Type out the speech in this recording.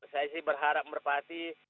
saya sih berharap merpati